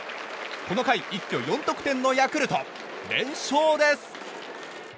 この回、一挙４得点のヤクルト連勝です。